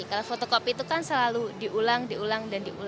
kalau fotokopi itu kan selalu diulang diulang